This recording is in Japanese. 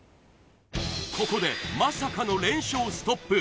ここでまさかの連勝ストップ